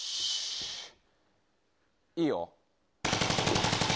いいよ。